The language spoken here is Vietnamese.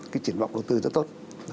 cái triển vọng đầu tư rất tốt